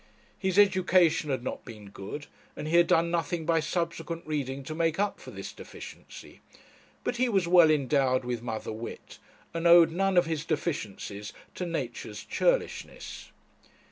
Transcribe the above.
His education had not been good, and he had done nothing by subsequent reading to make up for this deficiency; but he was well endowed with mother wit, and owed none of his deficiencies to nature's churlishness.